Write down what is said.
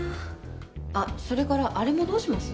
あっそれからあれもどうします？